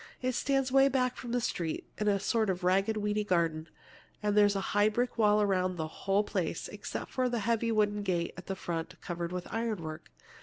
It stands 'way back from the street, in a sort of ragged, weedy garden, and there's a high brick wall around the whole place, except for a heavy wooden gate at the front covered with ironwork.